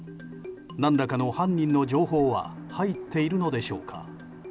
何らかの犯人の情報は入っているのでしょうか。